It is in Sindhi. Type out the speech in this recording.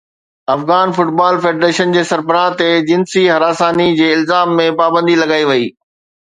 افغان فٽبال فيڊريشن جي سربراهه تي جنسي هراساني جي الزام ۾ پابندي لڳائي وئي